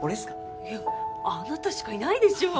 いやあなたしかいないでしょ